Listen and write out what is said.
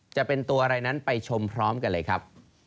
จะเป็นตัวอะไรนั้นไปชมพร้อมกันเลยครับ